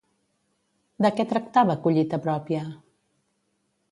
De què tractava Collita pròpia?